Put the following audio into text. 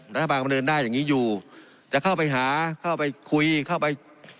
และถ้าบางประเภทได้อย่างงี้อยู่จะเข้าไปหาเข้าไปคุยเข้าไป